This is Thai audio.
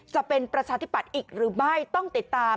จะเป็นประชาธิปัตย์อีกหรือไม่ต้องติดตาม